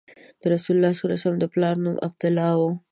د رسول الله د پلار نوم یې عبدالله و.